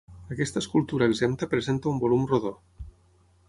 Aquesta escultura exempta presenta un volum rodó.